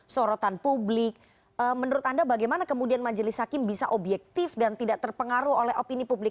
sorotan publik menurut anda bagaimana kemudian majelis hakim bisa objektif dan tidak terpengaruh oleh opini publik